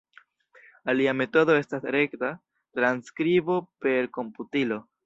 Alia metodo estas rekta transskribo per komputilo.